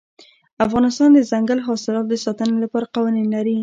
افغانستان د دځنګل حاصلات د ساتنې لپاره قوانین لري.